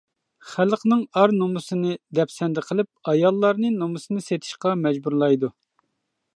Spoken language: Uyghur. خەلقنىڭ ئار-نومۇسىنى دەپسەندە قىلىپ ئاياللارنى نومۇسىنى سېتىشقا مەجبۇرلايدۇ.